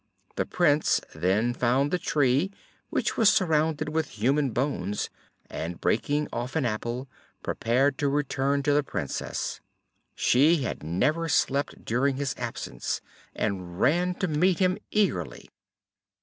The Prince then found the tree, which was surrounded with human bones, and breaking off an apple, prepared to return to the Princess. She had never slept during his absence, and ran to meet him eagerly.